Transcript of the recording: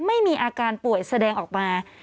ไม่มีอาการป่วยแสดงออกมา